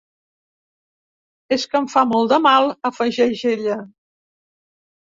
És que em fa molt de mal —afegeix ella.